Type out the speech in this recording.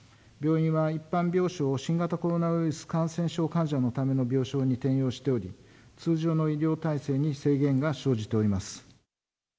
病院は一般病床の、新型コロナウイルス感染症患者のための病床に転用しており、通常の医療体制に制限が生じております。